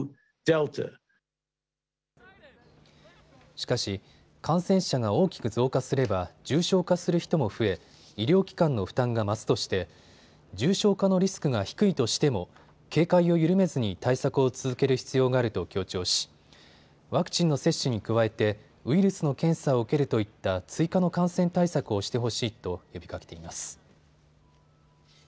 しかし感染者が大きく増加すれば重症化する人も増え医療機関の負担が増すとして重症化のリスクが低いとしても警戒を緩めずに対策を続ける必要があると強調し、ワクチンの接種に加えてウイルスの検査を受けるといった追加の感染対策をしてほしいと呼びかけています。